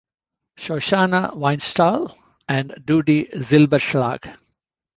Shoshana Weinshall, and Dudi Zilbershlag.